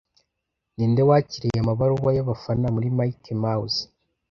Ninde wakiriye amabaruwa yabafana muri Mickey Mouse